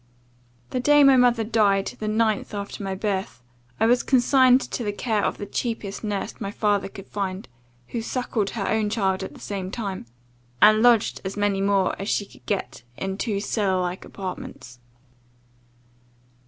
"The day my mother, died, the ninth after my birth, I was consigned to the care of the cheapest nurse my father could find; who suckled her own child at the same time, and lodged as many more as she could get, in two cellar like apartments.